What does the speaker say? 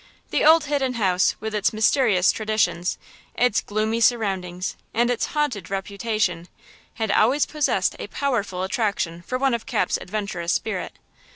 The Old Hidden House, with its mysterious traditions, its gloomy surroundings and its haunted reputation, had always possessed a powerful attraction for one of Cap's adventurous spirit.